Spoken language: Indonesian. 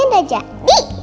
ini udah jadi